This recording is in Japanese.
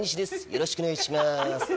よろしくお願いします。